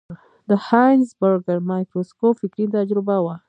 د هایزنبرګر مایکروسکوپ فکري تجربه وه.